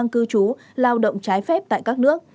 cư trú lao động trái phép tại các nước